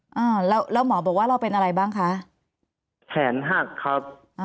อ่าแล้วแล้วหมอบอกว่าเราเป็นอะไรบ้างคะแขนหักครับอ่า